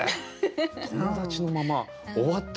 「友達のまま終わった夜の」。